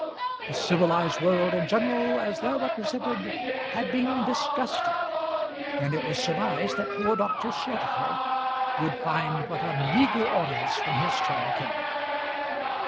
The civilised world in general, as there represented, had been disgusted, and it was surmised that poor Dr. Slotacher would find but a meagre audience when his turn came.